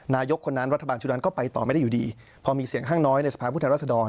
นายกคนนั้นรัฐบาลชุดนั้นก็ไปต่อไม่ได้อยู่ดีพอมีเสียงข้างน้อยในสภาพผู้แทนรัศดร